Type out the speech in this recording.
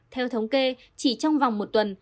theo thống kê chỉ trong vòng một tuần